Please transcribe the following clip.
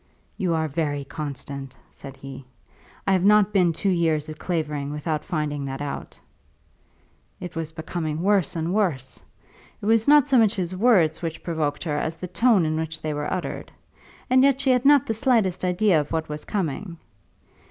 "You are very constant," said he; "I have not been two years at Clavering without finding that out." It was becoming worse and worse. It was not so much his words which provoked her as the tone in which they were uttered. And yet she had not the slightest idea of what was coming.